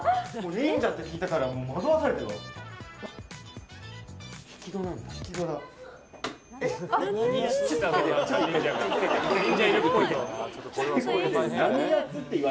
忍者って聞いたから惑わされたわ。